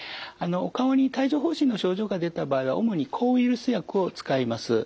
お顔に帯状ほう疹の症状が出た場合は主に抗ウイルス薬を使います。